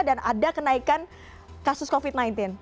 dan ada kenaikan kasus covid sembilan belas